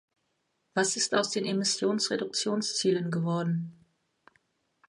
Was ist aus den Emissionsreduktionszielen geworden?